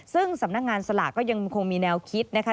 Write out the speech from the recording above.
ซึ่งสำนักงานสลากก็ยังคงมีแนวคิดนะคะ